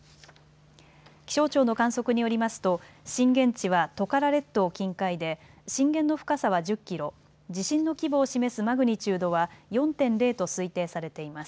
気象庁の観測によりますと震源地はトカラ列島近海で震源の深さは１０キロ、地震の規模を示すマグニチュードは４．０と推定されています。